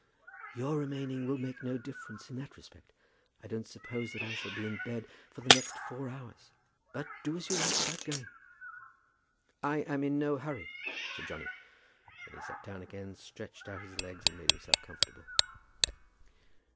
"Your remaining will make no difference in that respect. I don't suppose that I shall be in bed for the next four hours. But do as you like about going." "I am in no hurry," said Johnny. Then he sat down again, stretched out his legs and made himself comfortable.